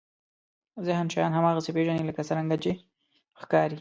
ذهن شیان هماغسې پېژني لکه څرنګه چې ښکاري.